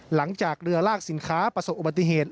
หลังจากเรือลากสินค้าประสบอุบัติเหตุ